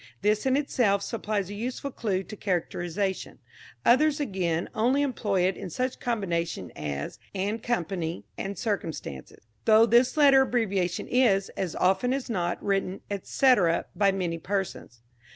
This in itself supplies a useful clue to characterisation. Others, again, only employ it in such combinations as "& Co.," "&c.," though this latter abbreviation is, as often as not, written "etc." by many persons.